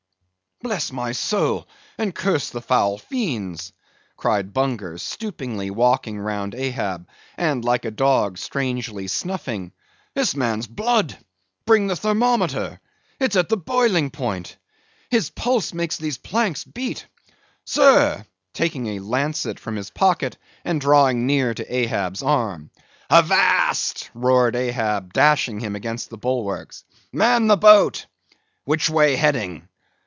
"Bless my soul, and curse the foul fiend's," cried Bunger, stoopingly walking round Ahab, and like a dog, strangely snuffing; "this man's blood—bring the thermometer!—it's at the boiling point!—his pulse makes these planks beat!—sir!"—taking a lancet from his pocket, and drawing near to Ahab's arm. "Avast!" roared Ahab, dashing him against the bulwarks—"Man the boat! Which way heading?"